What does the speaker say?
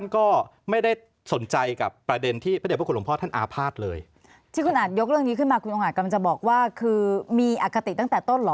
คุณอัดอยุกเรื่องนี้บอกว่าคือมีอากาศตั้งแต่ต้นหรอ